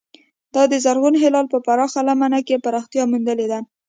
دا د زرغون هلال په پراخه لمن کې پراختیا موندلې ده.